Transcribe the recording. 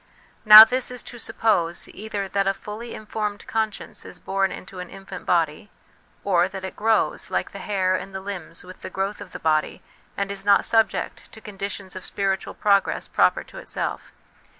Now this is to suppose, either that a fully informed conscience is born into an infant body, or that it grows, like the hair and the limbs, with the growth of the body, and is not subject to conditions of spiritual progress proper to itself.